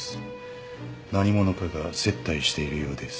何者かが接待しているようです。